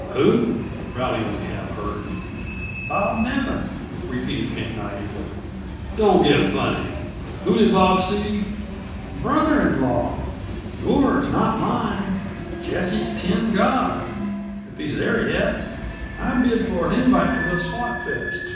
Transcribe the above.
"Who?" Rowdy only half heard. "Bob Nevin," repeated Pink naively. "Don't get funny. Who did Bob see?" "Brother in law. Yours, not mine. Jessie's tin god. If he's there yet, I bid for an invite to the 'swatfest.'